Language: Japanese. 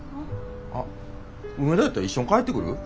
あっ梅田やったら一緒に帰ってくる？